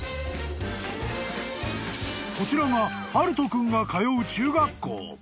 ［こちらが大翔君が通う中学校］